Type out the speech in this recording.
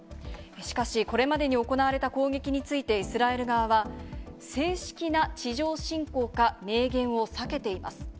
しかし、これまでに行われた攻撃についてイスラエル側は、正式な地上侵攻か明言を避けています。